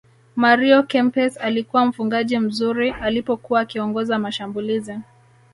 mario kempes alikuwa mfungaji mzuri alipokuwa akiongoza mashambulizi